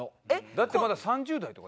だってまだ３０代とか。